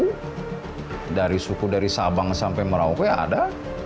nah dari suku dari sabang sampai merauke ada